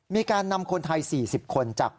มีการนำคนไทย๔๐คนจาก